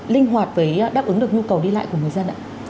linh hoạt với đáp ứng được nhu cầu đi lại của người dân ạ